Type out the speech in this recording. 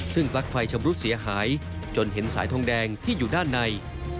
ซึ่งปลั๊กไฟชำรุดเสียหายจนเห็นสายทองแดงที่อยู่ด้านใน